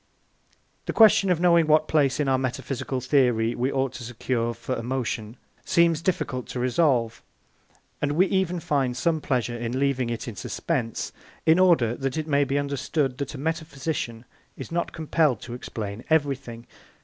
The question of knowing what place in our metaphysical theory we ought to secure for emotion seems difficult to resolve, and we even find some pleasure in leaving it in suspense, in order that it may be understood that a metaphysician is not compelled to explain everything.